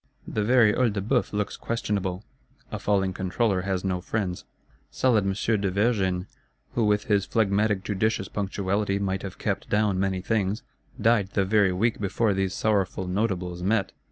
The very Œil de Bœuf looks questionable; a falling Controller has no friends. Solid M. de Vergennes, who with his phlegmatic judicious punctuality might have kept down many things, died the very week before these sorrowful Notables met.